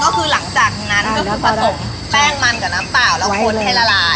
ก็คือหลังจากนั้นก็คือผสมแป้งมันกับน้ำเปล่าแล้วคนให้ละลาย